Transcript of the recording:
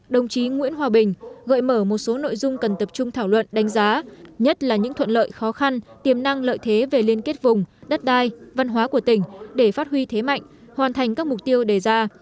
đồng chí nguyễn hòa bình gợi mở một số nội dung cần tập trung thảo luận đánh giá nhất là những thuận lợi khó khăn tiềm năng lợi thế về liên kết vùng đất đai văn hóa của tỉnh để phát huy thế mạnh hoàn thành các mục tiêu đề ra